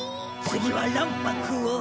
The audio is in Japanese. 「次は卵白を」。